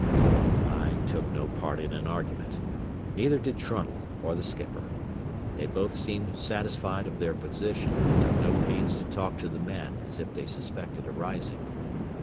I took no part in an argument. Neither did Trunnell or the skipper. They both seemed satisfied of their position and took no pains to talk to the men as if they suspected a rising.